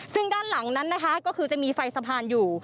ซึ่งด้านหลังนั้นนะคะก็คือจะมีไฟสะพานอยู่